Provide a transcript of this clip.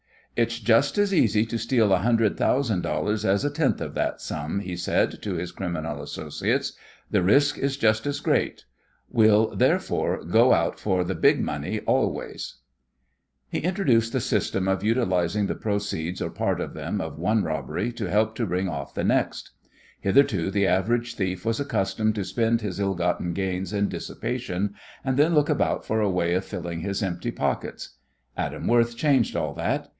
"It's just as easy to steal a hundred thousand dollars as a tenth of that sum," he said to his criminal associates. "The risk is just as great. We'll, therefore, go out for big money always." [Illustration: ADAM WORTH] He introduced the system of utilizing the proceeds, or part of them, of one robbery to help to bring off the next. Hitherto the average thief was accustomed to spend his ill gotten gains in dissipation, and then look about for a way of filling his empty pockets. Adam Worth changed all that.